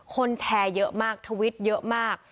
แชร์เยอะมากทวิตเยอะมาก